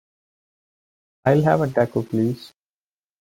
I'll have a Taco, please.